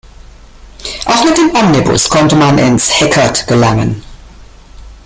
Auch mit dem Omnibus konnte man ins „Heckert“ gelangen.